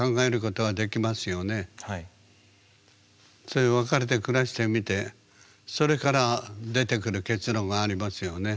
それで別れて暮らしてみてそれから出てくる結論がありますよね。